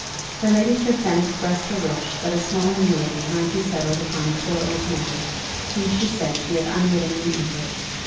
Her ladyship then expressed her wish that a small annuity might be settled upon a poor old man, whom she said she had unwittingly injured.